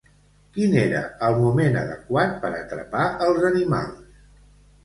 Quin era el moment adequat per atrapar els animals?